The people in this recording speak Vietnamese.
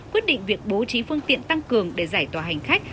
quyết định việc bố trí phương tiện tăng cường để giải tỏa hành khách